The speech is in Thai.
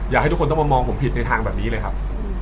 อยากให้ทุกคนต้องมามองผมผิดในทางแบบนี้เลยครับ